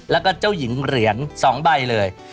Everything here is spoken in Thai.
แล้วก็เจ้าหญิงเหรียญ๒ใบเลย